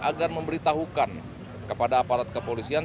agar memberitahukan kepada aparat kepolisian